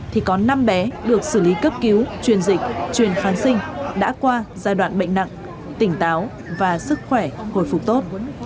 thì có năm bé được xử lý cấp cứu truyền dịch truyền kháng sinh đã qua giai đoạn bệnh nặng tỉnh táo và sức khỏe hồi phục tốt